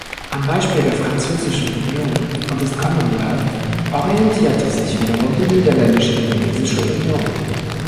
Am Beispiel der Französischen Union und des Commonwealth orientierte sich wiederum die Niederländisch-Indonesische Union.